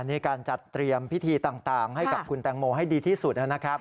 นี่การจัดเตรียมพิธีต่างให้กับคุณแตงโมให้ดีที่สุดนะครับ